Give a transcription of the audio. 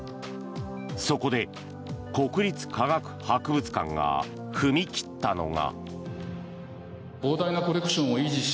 そこで国立科学博物館が踏み切ったのが。